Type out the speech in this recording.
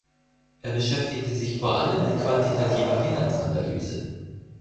Er beschäftigte sich vor allem mit quantitativer Finanzanalyse.